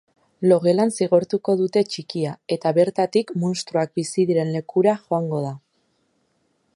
Logelan zigortuko dute txikia eta bertatik munstroak bizi diren lekura joango da.